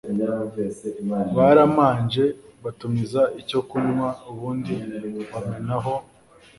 Baramanje batumiza icyokunwa ubundi bamenaho